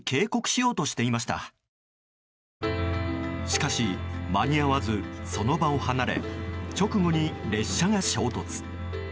しかし間に合わずその場を離れ直後に列車が衝突。